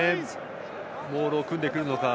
モールを組んでくるのか。